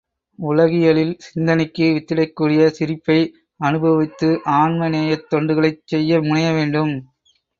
உலகியலில் சிந்தனைக்கு வித்திடக்கூடிய சிரிப்பை அனுபவித்து ஆன்ம நேயத் தொண்டுகளைச் செய்ய முனைய வேண்டும்.